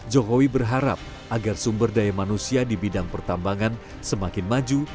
jokowi berharap agar sumber daya manusia di bidang pertambangan semakin maju